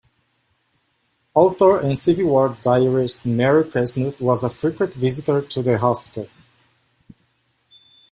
Author and Civil War diarist Mary Chesnut was a frequent visitor to the hospital.